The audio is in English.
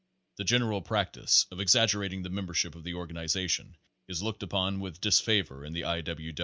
The general practice of exaggerating the member ship of the organization is looked upon* with disfavor in the I. W.